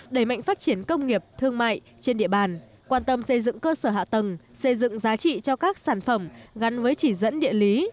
đẩy mạnh phát triển công nghiệp thương mại trên địa bàn quan tâm xây dựng cơ sở hạ tầng xây dựng giá trị cho các sản phẩm gắn với chỉ dẫn địa lý